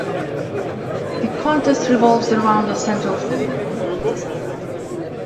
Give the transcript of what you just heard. The contest revolves around a central theme of community spirit.